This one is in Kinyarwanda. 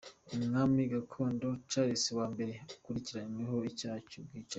Umwami gakondo, Charles Mumbere, akurikiranyweho icyaha cy'ubwicanyi.